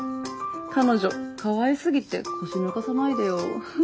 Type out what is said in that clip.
彼女かわいすぎて腰抜かさないでよ。